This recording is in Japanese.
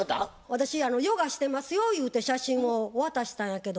私ヨガしてますよゆうて写真を渡したんやけど。